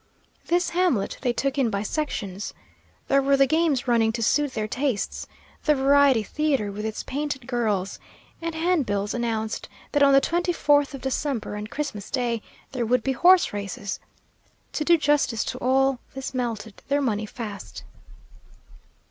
This hamlet they took in by sections. There were the games running to suit their tastes, the variety theatre with its painted girls, and handbills announced that on the 24th of December and Christmas Day there would be horse races. To do justice to all this melted their money fast.